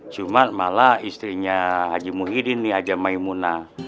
cuma malah istrinya haji muhyiddin nih aja maimuna